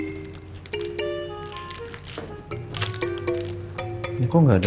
ini kok gak ada